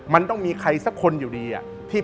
มันต้องมีใครสักคนอยู่ดีอะ